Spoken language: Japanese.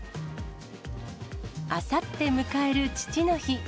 あさって迎える父の日。